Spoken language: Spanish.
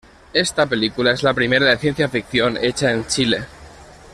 Esta película es la primera de ciencia ficción hecha en Chile.